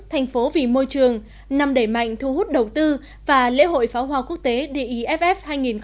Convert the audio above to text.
thành phố vì môi trường năm đẩy mạnh thu hút đầu tư và lễ hội pháo hoa quốc tế deff hai nghìn một mươi chín